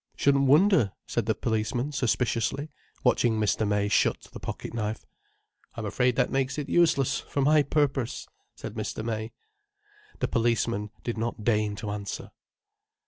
"Shouldn't wonder," said the policeman suspiciously, watching Mr. May shut the pocket knife. "I'm afraid that makes it useless for my purpose," said Mr. May. The policeman did not deign to answer.